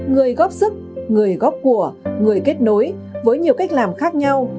người góp sức người góp của người kết nối với nhiều cách làm khác nhau